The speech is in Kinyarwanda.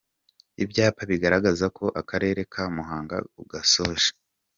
Ibyapa bigaragaza ko akarere ka Muhanga ugasoje .